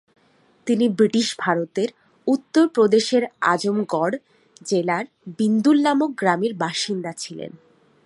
তিনি ব্রিটিশ ভারতের উত্তরপ্রদেশের আজমগড় জেলার বিন্দুল নামক গ্রামের বাসিন্দা ছিলেন।